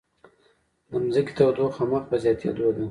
د ځمکې تودوخه مخ په زیاتیدو ده